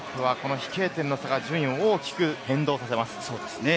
この飛型点、順位を大きく変動させます。